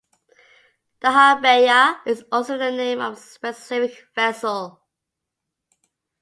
"Dahabeya" is also the name of a specific vessel.